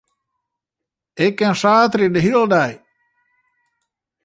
Ik kin sneon de hiele dei.